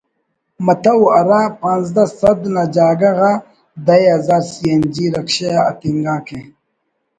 متو ہرا پانزدہ سد نا جاگہ غا دہ ہزار سی این جی رکشہ اَتنگا کہ